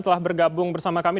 telah bergabung bersama kami